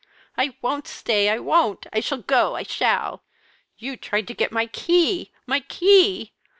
"I won't stay! I won't! I shall go! I shall! You tried to get my key my key!